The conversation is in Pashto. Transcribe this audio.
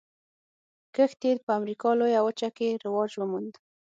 کښت یې په امریکا لویه وچه کې رواج وموند.